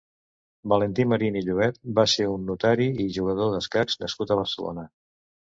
Valentí Marín i Llovet va ser un notari i jugador d'escacs nascut a Barcelona.